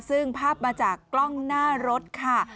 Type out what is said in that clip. ซึ่งภาพมาจากกล้องหน้ารถค่ะ